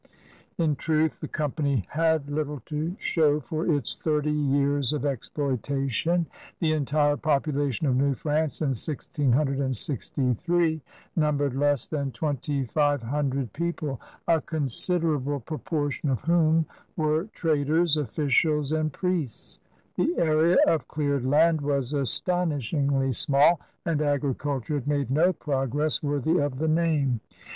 '' In truth, the company had little to show for its thirty years of exploitation. The entire popu lation of New France in 1663 numbered less than twenty five hundred people, a considerable pro 62 CRUSADERS OF NEW FRANCE portion of whom were traders, offidab, and priests. The area of cleared land was astonish ingly small, and agriculture had made no progress worthy of the name.